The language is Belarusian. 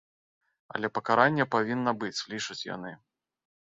Але пакаранне павінна быць, лічаць яны.